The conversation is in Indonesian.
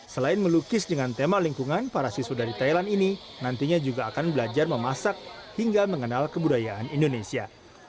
selain melukis dengan tema lingkungan para siswa dari thailand ini nantinya juga akan belajar memasak hingga mengenal kebudayaan indonesia